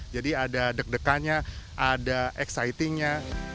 jadi ada deg degannya ada exciting nya